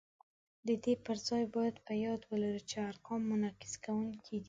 د دې پر ځای باید په یاد ولرو چې ارقام منعکس کوونکي دي